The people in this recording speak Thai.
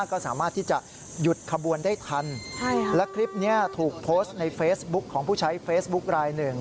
ก็สามารถที่จะหยุดขบวนได้ทันและคลิปนี้ถูกโพสต์ในเฟซบุ๊คของผู้ใช้เฟซบุ๊คลายหนึ่ง